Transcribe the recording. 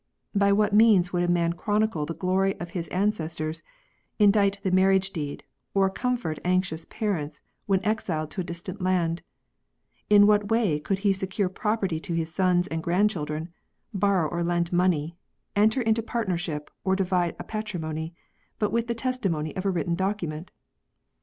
By what means would a man chronicle the glory of his ancestors, indite the marriage deed, or comfort anxious parents when exiled to a distant land % In what way could he secure property to his sons and grandchildren, borrow or lend money, enter into partnership, or divide a patrimony, but with the testimony of wTitteu documents ?